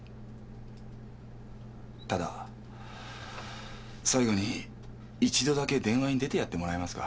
ただ最後に一度だけ電話に出てやってもらえますか？